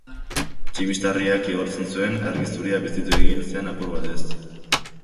Tximistarriak igortzen zuen argi zuria bizitu egin zen apur batez.